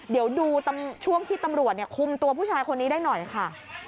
เดี๋ยวดูช่วงที่ตำรวจคุมตัวผู้ชายคนนี้ได้หน่อยค่ะ